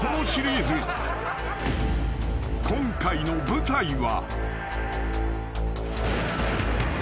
［今回の舞台は］